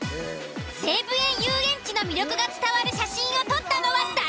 西武園ゆうえんちの魅力が伝わる写真を撮ったのは誰？